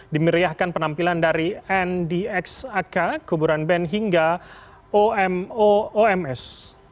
dimeriahkan penampilan dari ndxak kuburan band hingga omo oms